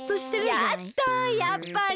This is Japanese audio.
やっだやっぱり？